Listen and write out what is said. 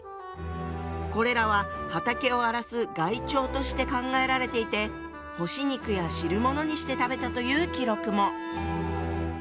これらは畑を荒らす害鳥として考えられていて干し肉や汁物にして食べたという記録も。